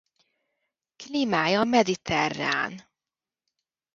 Klímája mediterrán.